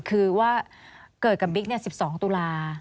คือว่าเกิดกับบิ๊ก๑๒ตุลา